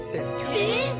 えっ？